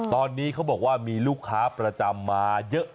ตอนนี้เขาบอกว่ามีลูกค้าประจำมาเยอะ